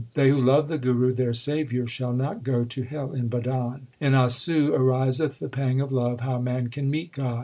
They who love the Guru, their saviour, shall not go to hell in Bhadon. In Assu ariseth the pang of love how man can meet God.